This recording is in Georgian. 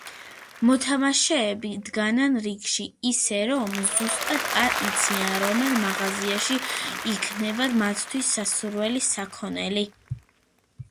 მოთამაშეები დგანან რიგში, ისე, რომ ზუსტად არ იციან, რომელ მაღაზიაში იქნება მათთვის სასურველი საქონელი.